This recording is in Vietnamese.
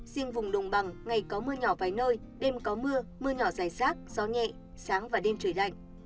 riêng vùng đồng bằng ngày có mưa nhỏ vài nơi đêm có mưa mưa nhỏ dài rác gió nhẹ sáng và đêm trời lạnh